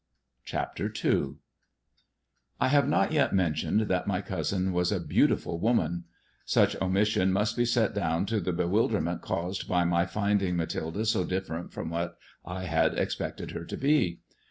CHAPTER II [HAVE not yet mentioned that my cousin was a beautiful woman. Such omission must be set down to the be pnlderment caused by my finding Mathilde so different from j^hat I had expected her to be.